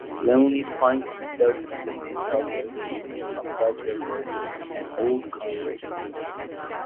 Leonid finds himself in the mental health clinic of Doctor Werner, an old comrade.